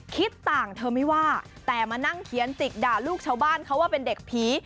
คิดต่างเธอไม่ว่าแต่มานั่งเขียนจิกด่าลูกชาวบ้านเขาว่าเป็นเด็กผี